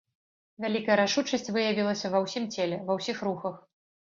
Вялікая рашучасць выявілася ва ўсім целе, ва ўсіх рухах.